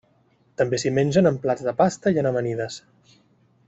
També s'hi mengen en plats de pasta i en amanides.